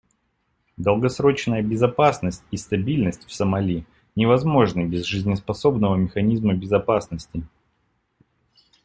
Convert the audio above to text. Долгосрочная безопасность и стабильность в Сомали невозможны без жизнеспособного механизма безопасности.